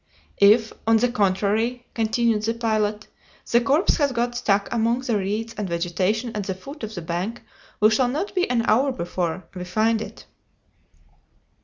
"If, on the contrary," continued the pilot, "the corpse has got stuck among the reeds and vegetation at the foot of the bank, we shall not be an hour before we find it."